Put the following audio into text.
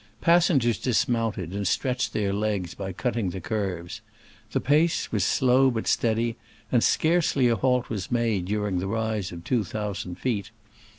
Passengers dismounted and stretched their legs by cutting the curves. The pace was slow but steady, and scarcely a halt was made during the rise of two thousand feet.